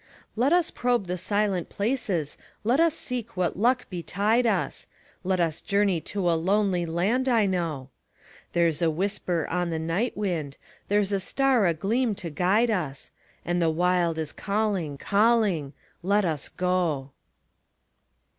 Let us probe the silent places, let us seek what luck betide us; Let us journey to a lonely land I know. There's a whisper on the night wind, there's a star agleam to guide us, And the Wild is calling, calling... let us go.